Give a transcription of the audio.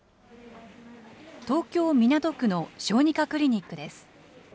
東京・港区の小児科クリニックです。